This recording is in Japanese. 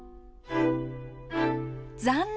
残念！